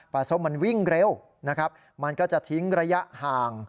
ปลาส้มมันวิ่งเร็วมันก็จะทิ้งระยะห่าง